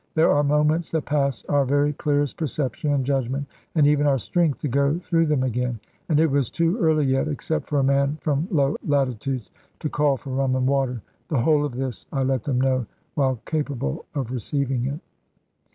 There are moments that pass our very clearest perception, and judgment, and even our strength to go through them again. And it was too early yet except for a man from low latitudes to call for rum and water. The whole of this I let them know, while capable of receiving it.